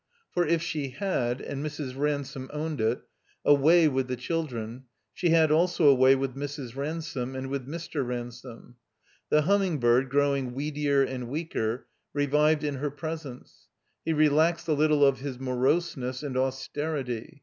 For if she had (and Mrs. Ransome owned it) a " way " with the children, she had also a way with Mrs. Ransome, and with Mr. Ransome. The Himmiing bird, growing weedier and weaker, revived in her presence; he relaxed a little of his moroseness and austerity.